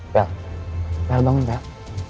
bel bel bangun bel